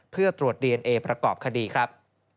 เพื่อตรวจดีเอนเอประกอบคดีครับ